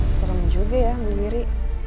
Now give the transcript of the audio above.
terang juga ya bu wiri